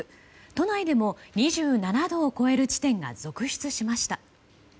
都内でも２７度を超える地点が続出しました。